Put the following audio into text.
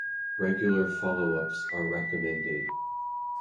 Regular follow-ups are recommended.